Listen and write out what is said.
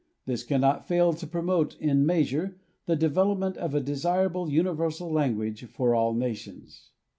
This cannot fail to promote in a measure the development of a desirable universal language for all nations.